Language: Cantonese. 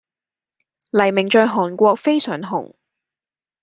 黎明在韓國非常紅